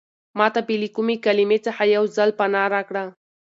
ما ته بې له کومې کلمې څخه یو ځل پناه راکړه.